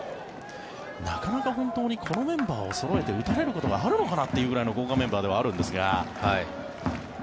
なかなか本当にこのメンバーをそろえて打たれることがあるのかなというぐらいの豪華メンバーではあるんですが。